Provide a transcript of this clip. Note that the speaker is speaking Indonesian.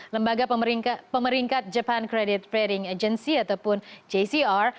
lembaga pemeringkat japan credit trading agency ataupun jcr